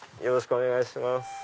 よろしくお願いします。